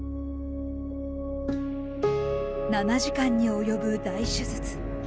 ７時間に及ぶ大手術。